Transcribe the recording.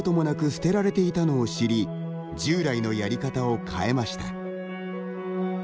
捨てられていたのを知り従来のやり方を変えました。